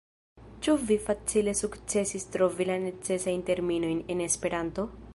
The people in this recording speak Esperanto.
Ĉu vi facile sukcesis trovi la necesajn terminojn en Esperanto?